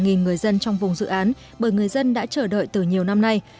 nhiều người dân trong vùng dự án bởi người dân đã chờ đợi từ nhiều năm nay